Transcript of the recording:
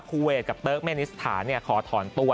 คูเวทกับเติร์กเมนิสถาเนี่ยขอถอนตัว